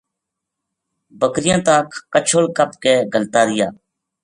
بکریاں تا کَچھل کَپ کے گھَلتا رہیا